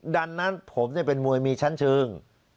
ดันนั้นผมเนี่ยเป็นมวยมีชั้นชึง